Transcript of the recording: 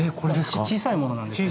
小さいものなんですけど。